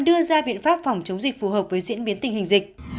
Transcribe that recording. giải quyết biện pháp phòng chống dịch phù hợp với diễn biến tình hình dịch